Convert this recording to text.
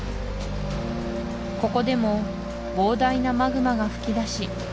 ここでも膨大なマグマが噴き出し